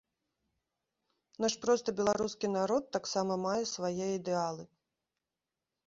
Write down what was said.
Наш просты беларускі народ таксама мае свае ідэалы.